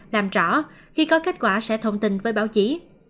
làm rõ khi có kết quả sẽ thông tin với báo chí